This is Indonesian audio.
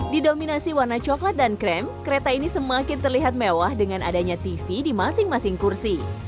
didominasi warna coklat dan krem kereta ini semakin terlihat mewah dengan adanya tv di masing masing kursi